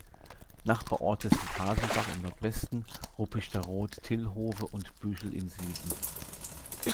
Nachbarorte sind Hasenbach im Nordwesten, Ruppichteroth-Thilhove und -Büchel im Süden.